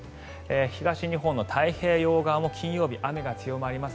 東日本の太平洋側も金曜日、雨が強まります。